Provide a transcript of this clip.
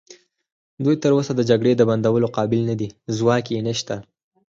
دوی تراوسه د جګړې د بندولو قابل نه دي، ځواک یې نشته.